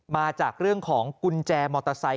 มาจากเรื่องของกุญแจมอเตอร์ไซค